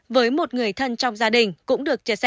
với một người thân trong gia đình cũng được chia sẻ